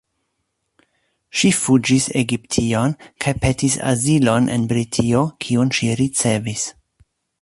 Ŝi fuĝis Egiption kaj petis azilon en Britio, kiun ŝi ricevis.